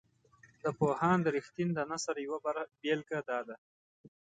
د پوهاند رښتین د نثر یوه بیلګه داده.